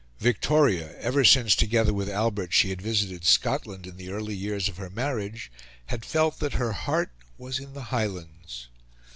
Victoria, ever since, together with Albert, she had visited Scotland in the early years of her marriage, had felt that her heart was in the Highlands.